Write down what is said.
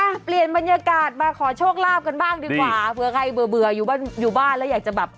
อ่ะเปลี่ยนบรรยากาศมาขอโชคลาภกันบ้างดีกว่าเผื่อใครเบื่อเบื่ออยู่บ้านอยู่บ้านแล้วอยากจะแบบ